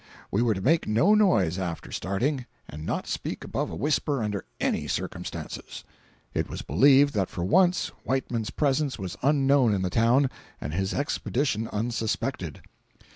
We were to make no noise after starting, and not speak above a whisper under any circumstances. It was believed that for once Whiteman's presence was unknown in the town and his expedition unsuspected.